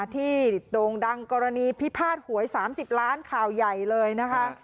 โด่งดังกรณีพิพาทหวย๓๐ล้านข่าวใหญ่เลยนะคะ